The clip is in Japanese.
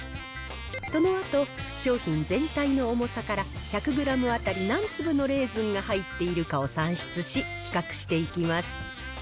そのあと、商品全体の重さから１００グラム当たり何粒のレーズンが入っているかを算出し、比較していきます。